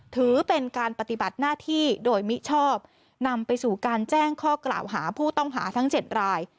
ถือเป็นการปฏิบัติหน้าที่โดยมิชอบนำไปสู่การแจ้งข้อกล่าวหาผู้ต้องหาทั้ง๗ราย